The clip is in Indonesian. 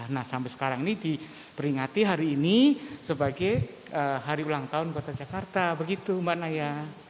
nah sampai sekarang ini diperingati hari ini sebagai hari ulang tahun kota jakarta begitu mbak naya